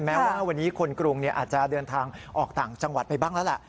แม้ว่าวันนี้คนกรุงอาจจะเดินทางออกต่างจังหวัดไปบ้างแล้วแหละ